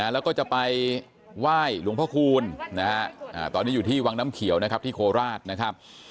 แล้วก็จะไปไหว้หลวงพ่อคูณตอนนี้อยู่ที่วังน้ำเขียวนะครับที่โคราชนะครับ